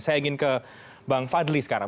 saya ingin ke bang fadli sekarang